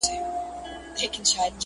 په زندان کي له یوسف سره اسیر یم!.